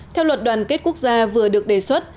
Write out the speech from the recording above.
theo luật đoàn kết quốc gia vừa được đề xuất